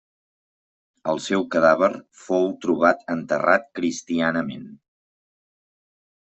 El seu cadàver fou trobat enterrat cristianament.